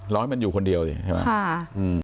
รอให้มันอยู่คนเดียวสิใช่ไหมค่ะอืม